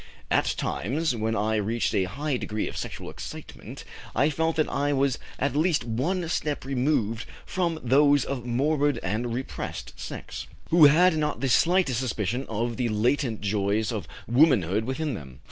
"At times, when I reached a high degree of sexual excitement, I felt that I was at least one step removed from those of morbid and repressed sex, who had not the slightest suspicion of the latent joys of womanhood within them.